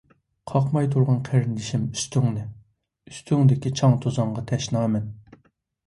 قاقماي تۇرغىن قېرىندىشىم ئۈستۈڭنى، ئۈستۈڭدىكى چاڭ-توزانغا تەشنامەن.